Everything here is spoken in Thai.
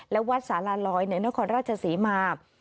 และวัดสารร้อยเนื้อคราชสีมาค